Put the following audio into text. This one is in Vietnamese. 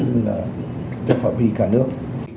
như là thực hợp với cả nước